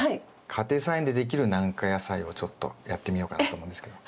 家庭菜園でできる軟化野菜をちょっとやってみようかなと思うんですけど。